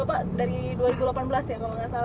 kalau saya tahu presiden